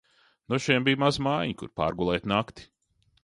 Nu šiem bija maza mājiņa, kur pārgulēt nakti.